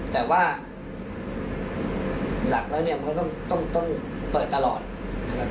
แต่ว่าหลักแล้วเนี่ยมันก็ต้องเปิดตลอดนะครับ